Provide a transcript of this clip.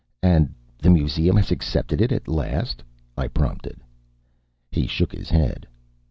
"And the Museum has accepted it at last?" I prompted. He shook his head.